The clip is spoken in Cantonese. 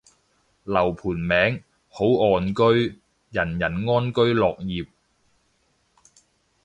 樓盤名，好岸居，人人安居樂業